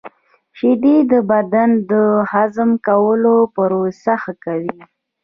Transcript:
• شیدې د بدن د هضم کولو پروسه ښه کوي.